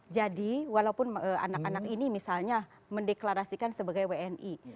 jadi walaupun anak anak ini misalnya mendeklarasikan sebagai wni